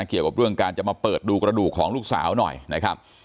เกี่ยวกับเรื่องการจะมาเปิดดูกระดูกของลูกสาวหน่อยนะครับ